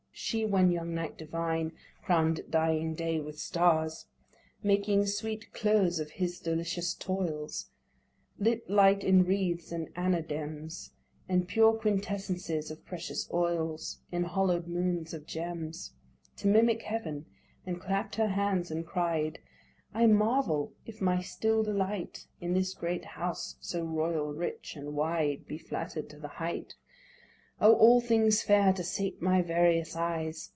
She â when young night divine Crown'd dying day with stars, Making sweet close of his delicious toils â Lit light in wreaths and anadems, And pure quintessences of precious oils In hollow'd moons of gems, To mimic heaven; and clapt her hands and cried, I marvel if my still delight In this great house so royal rich, and wide, Be flatter'd to the height. "O all things fair to sate my various eyes!